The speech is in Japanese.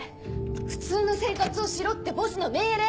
「普通の生活をしろ」ってボスの命令！